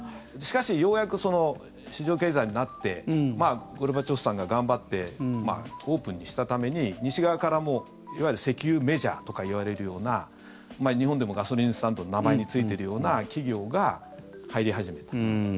しかしようやく市場経済になってゴルバチョフさんが頑張ってオープンにしたために西側からも、いわゆる石油メジャーとかいわれるような日本でもガソリンスタンドの名前についているような企業が入り始めた。